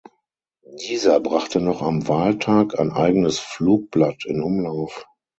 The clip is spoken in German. Dieser brachte noch am Wahltag ein eigenes Flugblatt in Umlauf.